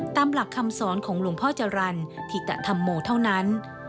ตามหลักคำสอนของหลวงพ่อจรรย์ธิตธรรมโมเท่านั้น